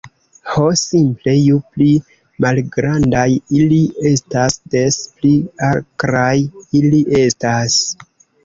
Ho simple, ju pli malgrandaj ili estas, des pli akraj ili estas.